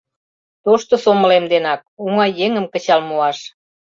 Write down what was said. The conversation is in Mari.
Тошто сомылем денак — оҥай еҥым кычал муаш.